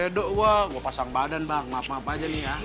bisa do gua pasang badan bang maaf maaf aja nih ya